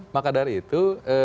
maka dari itu